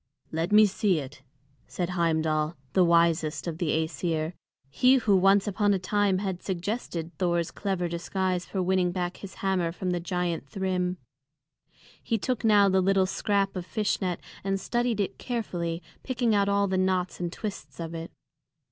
"Let me see it," said Heimdal, the wisest of the Æsir, he who once upon a time had suggested Thor's clever disguise for winning back his hammer from the giant Thrym. He took now the little scrap of fish net and studied it carefully, picking out all the knots and twists of it.